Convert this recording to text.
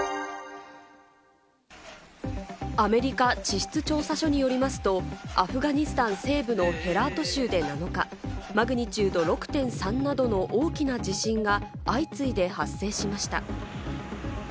アメリカ地質調査所によりますと、アフガニスタン西部のヘラート州で７日、マグニチュード６．３などの大きな地震が相次いで発生しました。